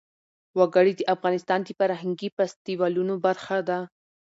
وګړي د افغانستان د فرهنګي فستیوالونو برخه ده.